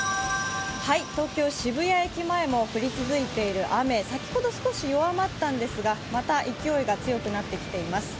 東京・渋谷駅前も降り続いている雨、先ほど少し弱まったんですがまた勢いが強くなってきています